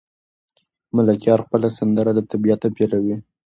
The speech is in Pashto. ملکیار خپله سندره له طبیعته پیلوي.